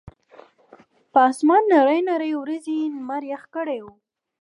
پۀ اسمان نرۍ نرۍ وريځې نمر يخ کړے وو